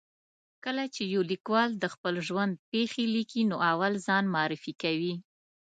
کله چې یو لیکوال د خپل ژوند پېښې لیکي، نو اول ځان معرفي کوي.